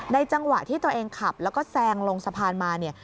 จังหวะที่ตัวเองขับแล้วก็แซงลงสะพานมาเนี่ย